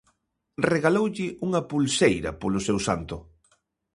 Regaloulle unha pulseira polo seu santo.